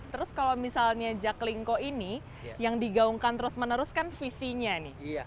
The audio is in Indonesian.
terus kalau misalnya jaklingko ini yang digaungkan terus meneruskan visinya nih